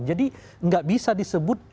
jadi tidak bisa disebut